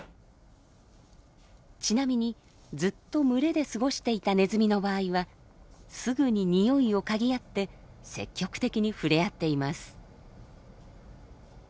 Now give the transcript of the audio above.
ちなみにずっと群れで過ごしていたネズミの場合はすぐに匂いをかぎ合って積極的に触れ合っています。